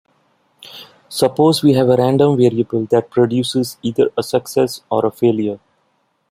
Suppose we have a random variable that produces either a success or a failure.